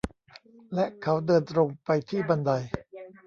และเขาเดินตรงไปที่บันได